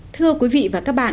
thưa quý vị và các bạn